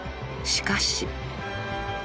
［しかし］